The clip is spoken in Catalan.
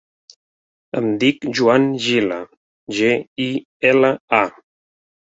Em dic Joan Gila: ge, i, ela, a.